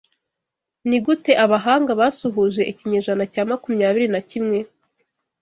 Nigute abahanga basuhuje ikinyejana cya makumyabiri na kimwe